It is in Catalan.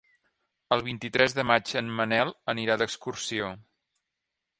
El vint-i-tres de maig en Manel anirà d'excursió.